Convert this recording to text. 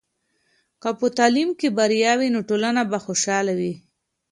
که په تعلیم کې بریا وي، نو ټولنه به خوشحاله وي.